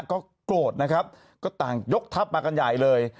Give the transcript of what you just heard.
ก็โกรธนะครับก็ต่างยกทัพมากันใหญ่เลย